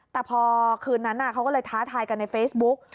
แต่พอคืนนั้นเขาก็เลยท้าทายกันในเฟซบุ๊ก